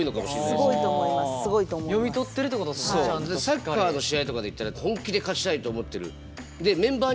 サッカーの試合とかで言ったら本気で勝ちたいと思ってる。